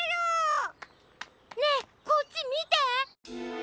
ねえこっちみて！